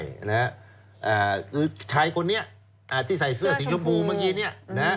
ใช่นะฮะคือชายคนนี้ที่ใส่เสื้อสีชมพูเมื่อกี้เนี่ยนะฮะ